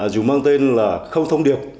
dù mang tên là không thông điệp